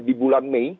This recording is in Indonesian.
di bulan mei